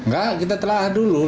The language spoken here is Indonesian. enggak kita telah dulu